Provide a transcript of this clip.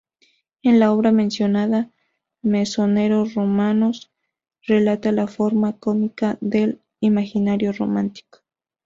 En la obra mencionada, Mesonero Romanos relata de forma cómica el imaginario romántico.